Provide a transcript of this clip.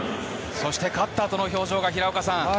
そして勝ったあとの表情が平岡さん